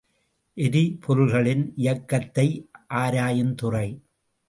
எரிபொருள்களின் இயக்கத்தை ஆராயுந் துறை.